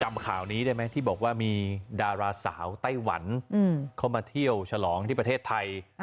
ข่าวนี้ได้ไหมที่บอกว่ามีดาราสาวไต้หวันเข้ามาเที่ยวฉลองที่ประเทศไทย